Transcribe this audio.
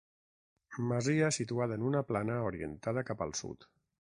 Masia situada en una plana orientada cap al sud.